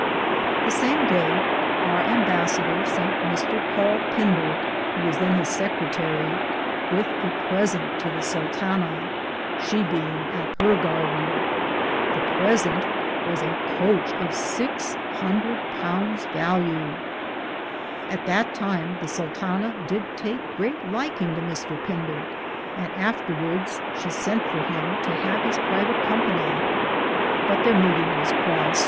The same Daye, our Imbassader sente Mr. Paule Finder, who was then his secritarie, with a presente to the Sultana, she being at hir garthen. The presente was a Coatche of six hundrethe poundes vallue.^ At that time the Sultana did Take greate lykinge to Mr. Finder, and after wardes she sente for him to have his private companye, but there meetinge was croste.